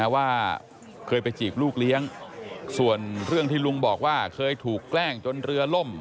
ว่าเคยไปจีบลูกเลี้ยงส่วนเรื่องที่ลุงบอกว่าเคยถูกแกล้งจนเรือล่ม